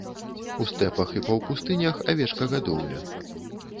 У стэпах і паўпустынях авечкагадоўля.